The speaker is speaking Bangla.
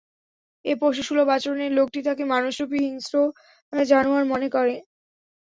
এ পশুসুলভ আচরণে লোকটি তাকে মানুষরূপী হিংস্র জানোয়ার মনে করে।